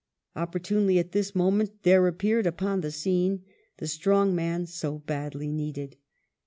Opportunely at this moment there appeared u|M>n the scene the strong man so badly needed.